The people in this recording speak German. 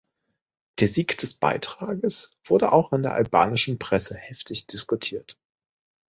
Der Sieg des Beitrages wurde auch in der albanischen Presse heftig diskutiert.